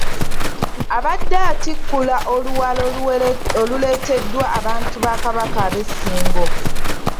Abadde atikkula oluwalo oluleeteddwa abantu ba Kabaka ab'e Ssingo.